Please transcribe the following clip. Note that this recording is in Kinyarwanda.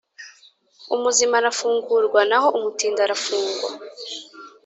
Umuzima arafungurwa naho umutindi arafungwa